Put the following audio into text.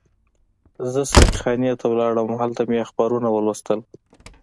زه ساقي خانې ته لاړم او هلته مې اخبارونه ولوستل.